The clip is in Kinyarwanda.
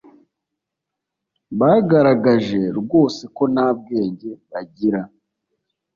bagaragaje rwose ko nta bwenge bagira